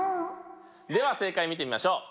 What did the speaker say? では正解見てみましょう。